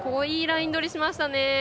いいライン取りしましたね。